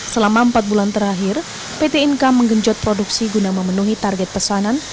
selama empat bulan terakhir pt inka menggenjot produksi guna memenuhi target pesanan